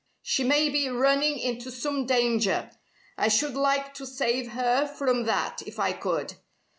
She may be running into some danger. I should like to save her from that if I could!